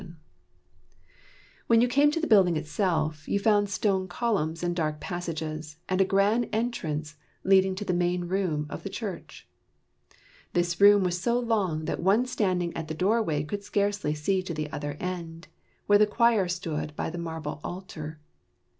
14 / WHY THE CHIMES RANG When you j came to the building itself, you found stone columnsjand dark passages, and a grand entrance leading to the main room of the church. This room was so long that one standing at the doorway could scarcely see to the other end, where the choir stood by the marble altar.